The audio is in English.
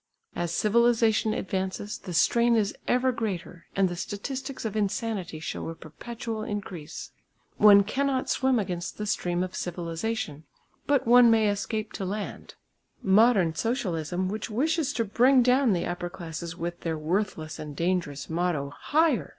As civilisation advances the strain is ever greater and the statistics of insanity show a perpetual increase. One cannot swim against the stream of civilisation, but one may escape to land. Modern Socialism which wishes to bring down the upper classes with their worthless and dangerous motto "Higher!"